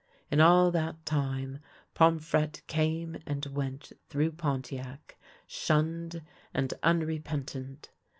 In all that time Pomfrette came and went through Pontiac, shimned and unrepentant.